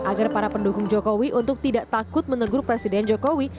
agar para pendukung jokowi untuk tidak takut menegur presiden jokowi